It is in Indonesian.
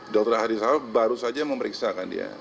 dokter ahli saraf baru saja memeriksakan dia